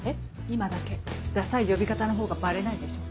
今だけダサい呼び方のほうがバレないでしょ。